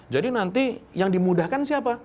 jadi nanti yang dimudahkan siapa